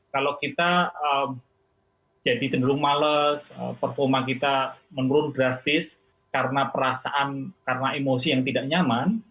kalau kita jadi cenderung males performa kita menurun drastis karena perasaan karena emosi yang tidak nyaman